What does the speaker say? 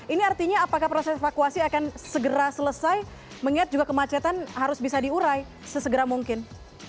ini artinya apakah proses evakuasi akan segera selesai mengingat juga kemacetan harus bisa diurai sesegera mungkin